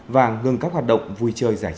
và ngừng các hoạt động vui chơi giải quyết